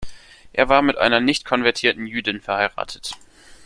Er war mit einer nicht konvertierten Jüdin verheiratet.